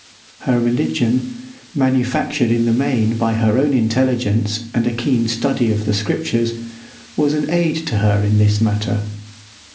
Her religion, manufactured in the main by her own intelligence and a keen study of the Scriptures, was an aid to her in this matter.